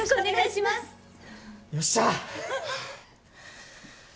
よっしゃ！